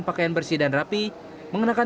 pakaian bersih dan rapi mengenakan